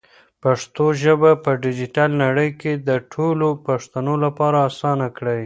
پښتو ژبه په ډیجیټل نړۍ کې د ټولو پښتنو لپاره اسانه کړئ.